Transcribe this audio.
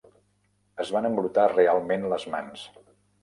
Es van embrutar realment les mans.